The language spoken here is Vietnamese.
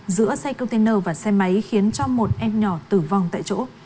giữa xe container và xe máy khiến cho một em nhỏ tử vong tại chỗ